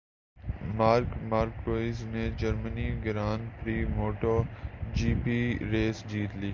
mark Marquez نے Germany grand prix motto جی پی race جیت لی